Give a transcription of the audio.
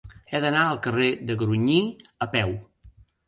He d'anar al carrer de Grunyí a peu.